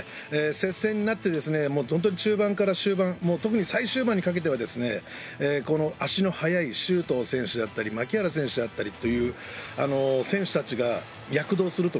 接戦になって、中盤から終盤特に最終盤にかけては足の速い周東選手だったり牧原選手だったりという選手たちが躍動すると。